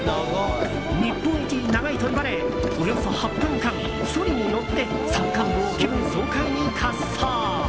日本一長いといわれおよそ８分間、そりに乗って山間部を気分爽快に滑走。